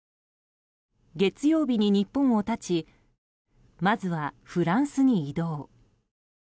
月曜日に日本を発ちまずはフランスに移動。